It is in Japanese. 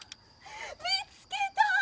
見つけた！